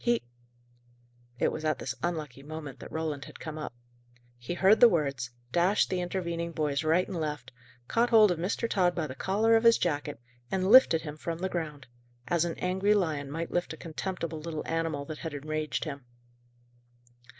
He " It was at this unlucky moment that Roland had come up. He heard the words, dashed the intervening boys right and left, caught hold of Mr. Tod by the collar of his jacket, and lifted him from the ground, as an angry lion might lift a contemptible little animal that had enraged him.